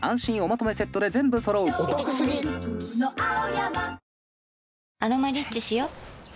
「アロマリッチ」しよ